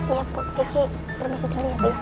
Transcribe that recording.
iya bu kiki permisi dulu ya bi